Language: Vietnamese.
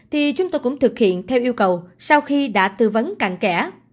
thì chúng tôi cũng thực hiện theo yêu cầu sau khi đã tư vấn càng kẻ